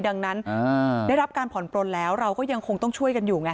ดังนั้นได้รับการผ่อนปลนแล้วเราก็ยังคงต้องช่วยกันอยู่ไง